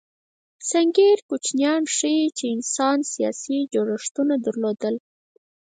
سنګیر کوچنیان ښيي، چې انسان سیاسي جوړښتونه درلودل.